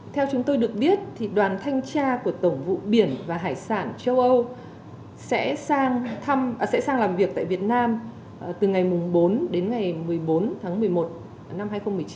theo chúng tôi được biết đoàn thanh tra của tổng vụ biển và hải sản châu âu sẽ sang thăm sẽ sang làm việc tại việt nam từ ngày bốn đến ngày một mươi bốn tháng một mươi một năm hai nghìn một mươi chín